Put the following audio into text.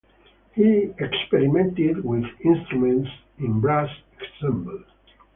He experimented with instruments in brass ensembles.